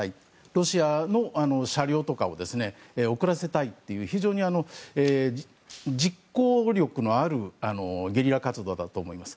ロシアの車両とかを遅らせたいという非常に実行力のあるゲリラ活動だと思います。